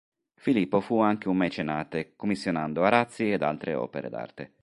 Filippo fu anche un mecenate, commissionando arazzi ed altre opere d'arte.